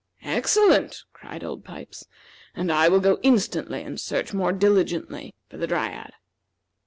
"Excellent!" cried Old Pipes; "and I will go instantly and search more diligently for the Dryad."